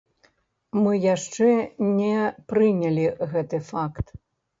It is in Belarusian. Мы яшчэ не прынялі гэты факт.